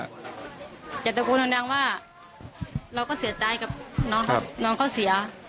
อยากจะพูดหนังว่าเราก็เสียใจกับน้องเขาเสีย